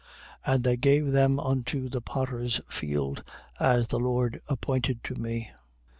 27:10. And they gave them unto the potter's field, as the Lord appointed to me.